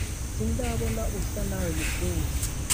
Sindabona usa nawe mukunzi